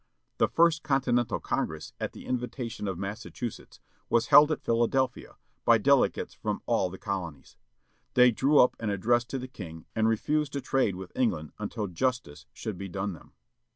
The first Continental Congress, at the invitation of Massachusetts, was held at Philadelphia, by delegates from all the colonies. They drew up an ad dress to the king, and refused to trade with England until justice should be done them.